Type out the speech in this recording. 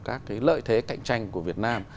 các cái lợi thế cạnh tranh của việt nam